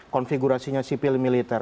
konfigurasinya sipil militer